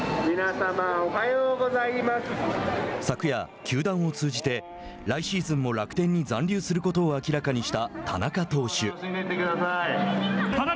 昨夜、球団を通じて来シーズンも楽天に残留することを明らかにした田中投手。